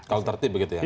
kalau tertib begitu ya